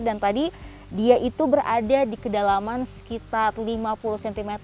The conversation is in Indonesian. dan tadi dia itu berada di kedalaman sekitar lima puluh cm